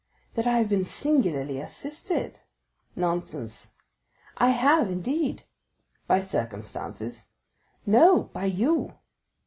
"That I have been singularly assisted." "Nonsense." "I have, indeed." "By circumstances?" "No; by you."